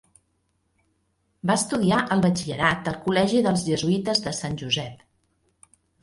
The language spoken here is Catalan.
Va estudiar el batxillerat al Col·legi dels Jesuïtes de Sant Josep.